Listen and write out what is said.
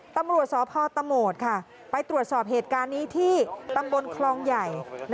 ตำรวจสพตโหมดไปตรวจสอบเหตุการณ์นี้ที่ตำบลคลองใหญ่